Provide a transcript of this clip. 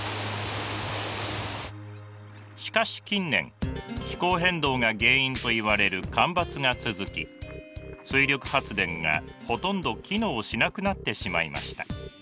しかし近年気候変動が原因といわれる干ばつが続き水力発電がほとんど機能しなくなってしまいました。